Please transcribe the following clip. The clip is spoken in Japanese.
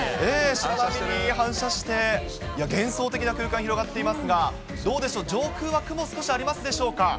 波に反射して、幻想的な空間広がっていますが、どうでしょう、上空は雲、ありますでしょうか。